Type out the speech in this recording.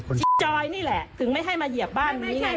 จอยนี่แหละถึงไม่ให้มาเหยียบบ้านนี้ไง